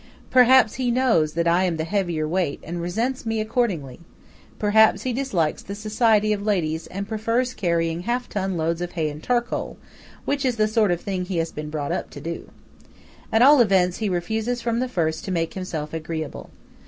Perhaps he knows that I am the heavier weight, and resents me accordingly; perhaps he dislikes the society of ladies, and prefers carrying half ton loads of hay and charcoal, which is the sort of thing he has been brought up to do. At all events, he refuses from the first to make himself agreeable.